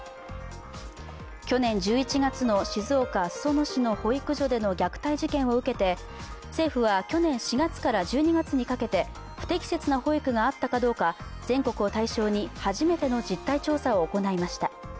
去年１１月の静岡・裾野市の保育所での虐待事件を受けて政府は去年４月から１２月にかけて不適切な保育があったかどうか全国を対象に初めての実態調査を行いました。